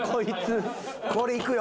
これいくよ。